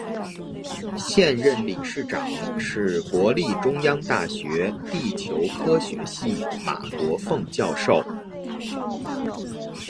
现任理事长是国立中央大学地球科学系马国凤教授。